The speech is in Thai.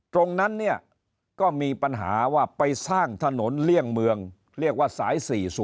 ตรงนั้นเนี่ยก็มีปัญหาว่าไปสร้างถนนเลี่ยงเมืองเรียกว่าสาย๔๐